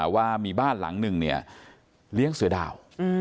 ว่ามีบ้านหลังหนึ่งเนี่ยเลี้ยงเสือดาว